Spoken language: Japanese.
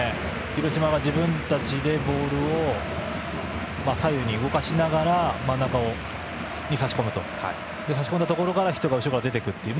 広島が自分たちでボールを左右に動かしながら真ん中に差し込み、そこから人が後ろから出てくるという。